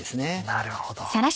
なるほど。